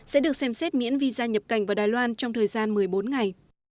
sẽ được xem xét miễn visa nhập cảnh vào đài loan trong thời gian một mươi bốn ngày